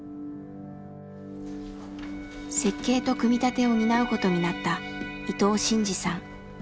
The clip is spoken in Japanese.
設計と組み立てを担うことになった伊藤慎二さん。